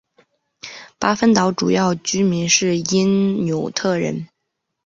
巴芬岛主要居民是因纽特人。